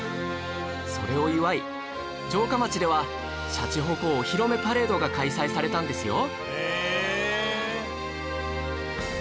それを祝い城下町ではシャチホコお披露目パレードが開催されたんですよ